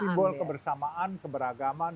simbol kebersamaan keberagaman